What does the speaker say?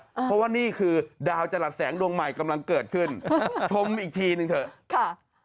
เพราะว่านี่คือดาวจรัสแสงดวงใหม่กำลังเกิดขึ้นชมอีกทีหนึ่งเถอะค่ะ